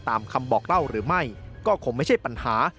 ตามคำบอกเล่าหรือไม่ก็คงไม่ใช่ปัญหา